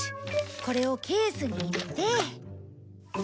これをケースに入れて。